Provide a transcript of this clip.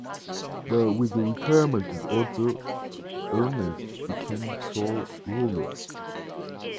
But with the retirement of Otto, Ernest became sole ruler.